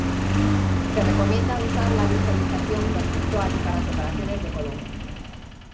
Se recomienda usar la visualización perceptual para separaciones de color.